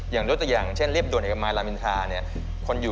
อย่างลูกอย่างลิฟต์เช่นลีบน